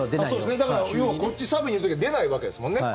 だから要はこっち、サブにいる時は出ないわけですもんね。